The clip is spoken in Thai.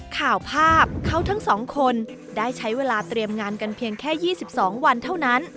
ข่าวภาพเขาทั้งสองคนได้ใช้เวลาเตรียมงานกันเพียงแค่๒๒วันเท่านั้น